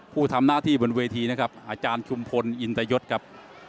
ผู้ทำหน้าที่บนเวทีนะครับอาจารย์ชุมพลอินตยศครับ